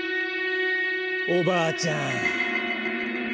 おばあちゃん。